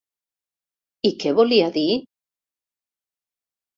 I què volia dir?